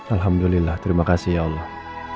alhamdulillah terima kasih ya allah